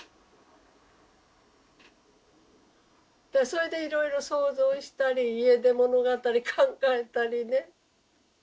それでいろいろ想像したり家出物語考えたりね。